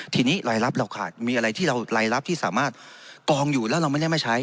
ทีนี้รายรับเราขาดมีอะไรที่เรารายรับที่สามารถกองอยู่แล้วเราไม่ได้มาใช้